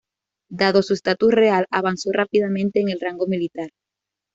Dado su estatus real, avanzó rápidamente en el rango militar.